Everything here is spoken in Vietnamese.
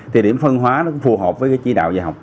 thì điểm phân hóa nó cũng phù hợp với chỉ đạo về học